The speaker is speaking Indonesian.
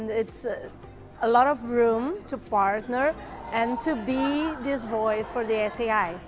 dan ada banyak ruang untuk berpartner dan menjadi suara untuk sai